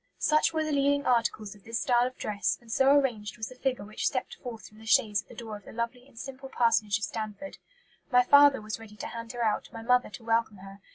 "Such were the leading articles of this style of dress, and so arranged was the figure which stepped forth from the chaise at the door of the lovely and simple parsonage of Stanford. My father was ready to hand her out, my mother to welcome her.